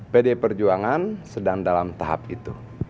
pdi perjuangan sedang dalam tahap itu